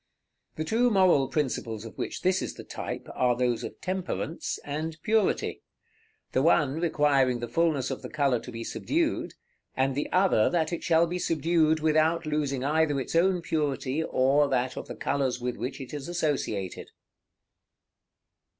The two moral principles of which this is the type, are those of Temperance and Purity; the one requiring the fulness of the color to be subdued, and the other that it shall be subdued without losing either its own purity or that of the colors with which it is associated.